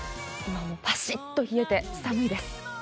バシッと冷えて寒いです。